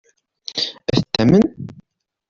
Ad t-tamen?